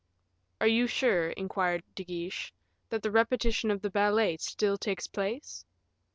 '" "Are you sure," inquired De Guiche, "that the repetition of the ballet still takes place?"